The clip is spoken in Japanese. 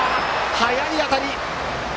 速い当たり。